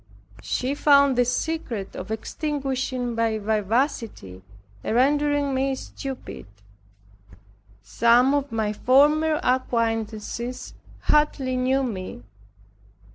She found the secret of extinguishing my vivacity, and rendering me stupid. Some of my former acquaintances hardly knew me.